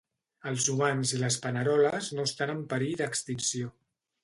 Els humans i les paneroles no estan en perill d'extinció.